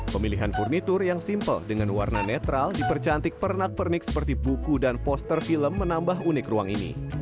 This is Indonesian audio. pemilihan furnitur yang simpel dengan warna netral dipercantik pernak pernik seperti buku dan poster film menambah unik ruang ini